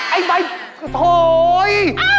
ไอ้ใบโธ่ย